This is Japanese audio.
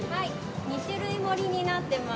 ２種類盛りになっています。